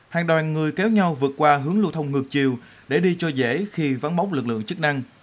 hàng đoàn người kéo nhau vượt qua hướng lưu thông ngược chiều để đi cho dễ khi vắng bóng lực lượng chức năng